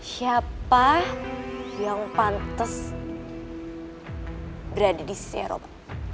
siapa yang pantes berada di sisi roma